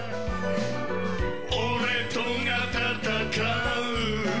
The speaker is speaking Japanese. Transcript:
俺とが闘う